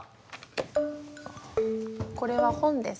「これは本です」。